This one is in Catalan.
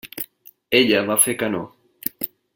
Ella va fer que no.